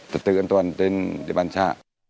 thật tự an toàn trên địa bàn xã